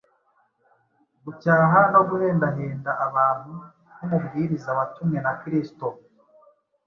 gucyaha no guhendahenda abantu nk’umubwiriza watumwe na Kristo.